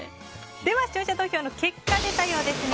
では視聴者投票の結果が出たようです。